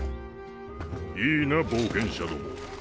いいな冒険者ども。